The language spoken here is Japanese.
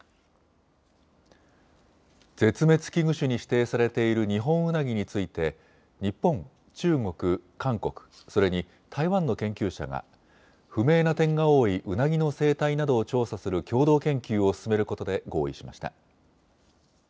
絶滅危惧種に指定されているニホンウナギについて日本、中国、韓国、それに台湾の研究者が不明な点が多いウナギの生態などを調査する共同研究を進めることで合意しました。